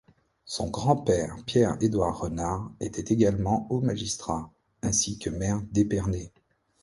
Son grand-père Pierre Édouard Renard était également haut magistrat, ainsi que maire d'Épernay.